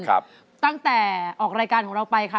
ตั้งแต่ออกรายการของเราไปค่ะ